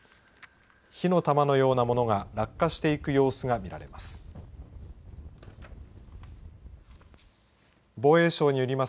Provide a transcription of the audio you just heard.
火の玉のようなものが落下していく様子が見られます。